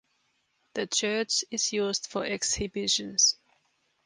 The church is used for exhibitions.